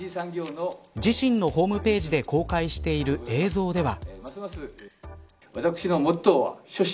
自身のホームページで公開している映像では。